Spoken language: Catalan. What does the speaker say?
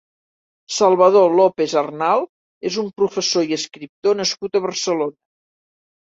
Salvador López Arnal és un professor i escriptor nascut a Barcelona.